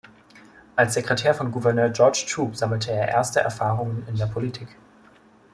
Als Sekretär von Gouverneur George Troup sammelte er erste Erfahrungen in der Politik.